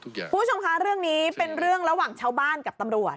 คุณผู้ชมคะเรื่องนี้เป็นเรื่องระหว่างชาวบ้านกับตำรวจ